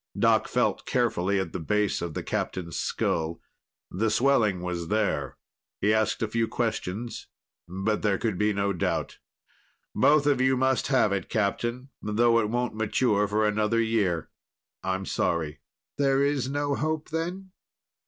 Doc felt carefully at the base of the Captain's skull; the swelling was there. He asked a few questions, but there could be no doubt. "Both of you must have it, Captain, though it won't mature for another year. I'm sorry." "There's no hope, then?"